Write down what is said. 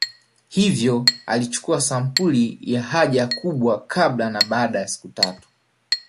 Hivyo alichukua sampuli ya haja kubwa kabla na baada ya siku tatu